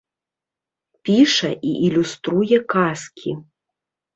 Піша і ілюструе казкі.